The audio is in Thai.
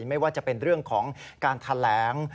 ไม่ว่าจะเป็นเรื่องของการแถลง